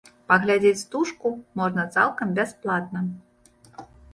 Паглядзець стужку можна цалкам бясплатна.